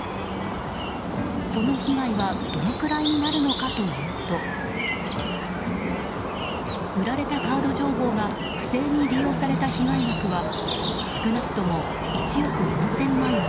その被害はどのくらいになるのかというと売られたカード情報が不正に利用された被害額は少なくとも１億４０００万円。